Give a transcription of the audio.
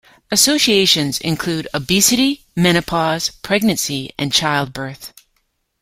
Associations include obesity, menopause, pregnancy and childbirth.